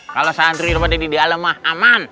kalau santri santri di alam aman